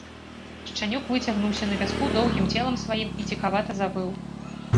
Шчанюк выцягнуўся на пяску доўгім целам сваім і ціхавата завыў.